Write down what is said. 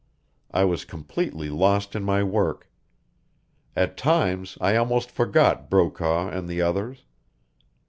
I was completely lost in my work. At times I almost forgot Brokaw and the others.